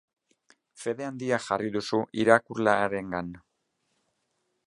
Fede handia jarri duzu irakurlearengan.